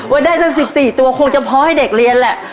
ว่าได้ตั้ง๑๔ตัวคงจะพอให้เด็กเรียนแหละ